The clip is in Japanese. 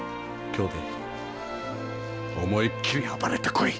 京で思いっきり暴れてこい。